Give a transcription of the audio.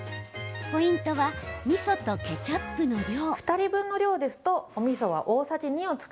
ポイントはみそとケチャップの量。